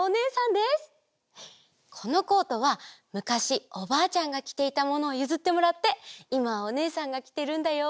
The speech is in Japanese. このコートはむかしおばあちゃんがきていたものをゆずってもらっていまはおねえさんがきてるんだよ！